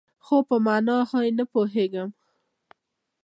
خو، په مانا یې نه پوهیږم